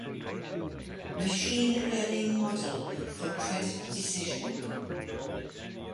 Machine learning model for credit decisioning